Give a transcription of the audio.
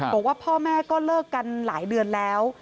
บอกว่าพ่อแม่ก็เลิกกันหลายเดือนแล้ว